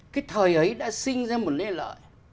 cái thời ấy đã sinh ra một lê lợi